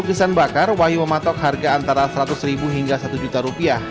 lukisan bakar wahyu mematok harga antara seratus ribu hingga satu juta rupiah